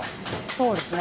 そうですね。